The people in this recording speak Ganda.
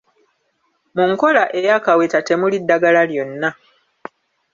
Mu nkola ey’akaweta temuli ddagala lyonna.